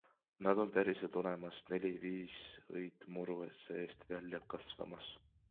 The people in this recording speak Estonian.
Nad on päriselt olemas, neli-viis õit muru seest välja kasvamas.